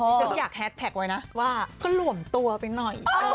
ฉันอยากแฮสแท็กไว้นะว่าก็หลวมตัวไปหน่อย